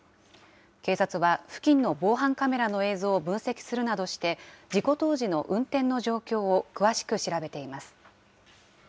警察は付近の防犯カメラの映像を分析するなどして、事故当時の運転の状況を詳しく調べています。